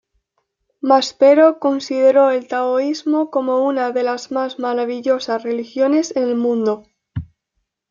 Maspero consideró el Taoísmo como una de las más maravillosas religiones en el mundo.